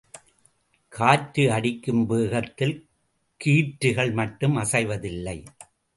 காற்று அடிக்கும் வேகத்தில் கீற்றுகள் மட்டும் அசைவதில்லை.